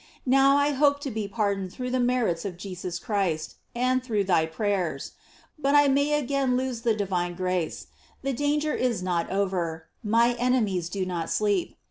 Now I hope to be pardoned through the merits of Jesus Christ, and through thy prayers. But I may again lose the divine grace; the danger is not over; my enemies do not sleep.